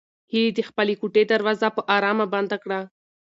هیلې د خپلې کوټې دروازه په ارامه بنده کړه.